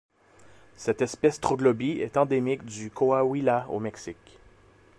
Cette espèce troglobie est endémique du Coahuila au Mexique.